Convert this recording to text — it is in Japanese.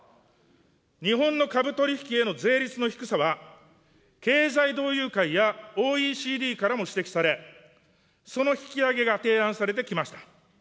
日本の株取り引きへの税率の低さは、経済同友会やＯＥＣＤからも指摘され、その引き上げが提案されてきました。